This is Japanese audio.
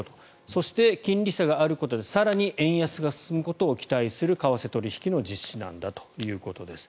そして、金利差があることで更に円安が進むことを期待する為替取引の実施なんだということです。